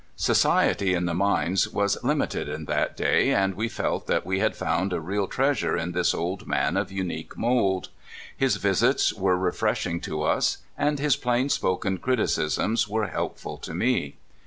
Society in the mines was limited in that da}^ and we felt that we had found a real treasure in this old man of unique mold. His visits were re freshing to us, and his plain spoken criticisms were helpful to me.